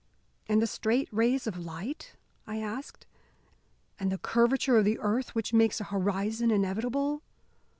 "And the straight rays of light?" I asked. "And the curvature of the earth which makes a horizon inevitable?"